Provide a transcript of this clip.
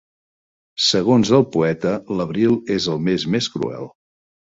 Segons el poeta, l'abril és el mes més cruel